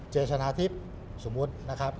เจชะนาทิปสมมตินะครับ